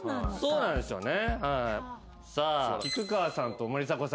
そうなんですよね。